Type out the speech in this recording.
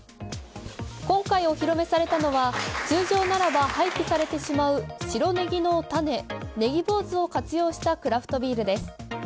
今回、お披露目されたのは通常ならば廃棄されてしまう白ネギの種、ネギ坊主を活用したクラフトビールです。